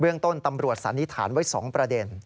เบื้องต้นตำรวจสานิฐานไว้สองประเด็น